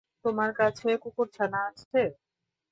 তোমার কাছে কুকুরছানা আছে?